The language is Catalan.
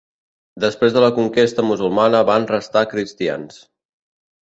Després de la conquesta musulmana van restar cristians.